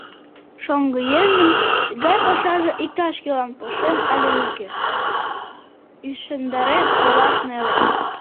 Шоҥгыеҥын тыгай пашаже иктаж-кӧлан полшен але уке, ӱшандарен ойлаш неле.